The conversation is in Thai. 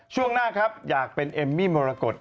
ช่วงหน้าครับอยากเป็นเอมมี่มรกฏ